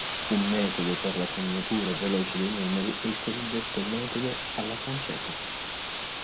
Un metodo per la segnatura veloce dei numeri è il cosiddetto metodo "alla francese".